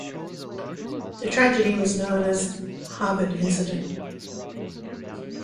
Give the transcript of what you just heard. The tragedy was known as "Harvard Incident".